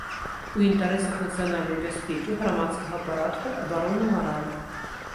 У інтарэсах нацыянальнай бяспекі, грамадскага парадку, абароны маралі.